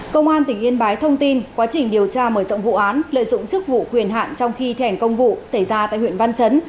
công an tỉnh yên bái thông tin quá trình điều tra mở rộng vụ án lợi dụng chức vụ quyền hạn trong khi thi hành công vụ xảy ra tại huyện văn chấn